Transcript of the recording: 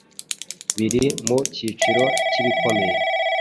biri mu cyiciro cy’ibikomeye